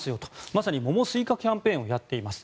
まさに桃・スイカキャンペーンをやっています。